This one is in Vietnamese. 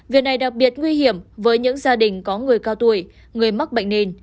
việc này đặc biệt nguy hiểm với những gia đình có người cao tuổi người mắc bệnh nền